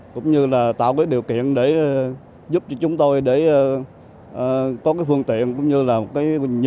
cũng như là tạo cái điều kiện để giúp cho chúng tôi để có cái phương tiện cũng như là nhiều vấn đề vấn đề giấy tờ này kia